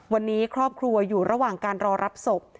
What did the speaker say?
วันนี้ครอบครัวอยู่ระหว่างการรอรับศพ